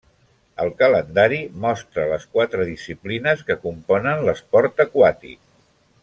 El calendari mostra les quatre disciplines que componen l'esport aquàtic.